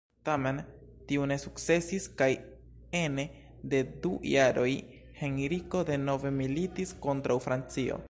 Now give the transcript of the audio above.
Tamen tiu ne sukcesis, kaj ene de du jaroj Henriko denove militis kontraŭ Francio.